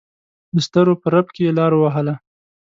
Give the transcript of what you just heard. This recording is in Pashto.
دسترو په رپ کې یې لار ووهله.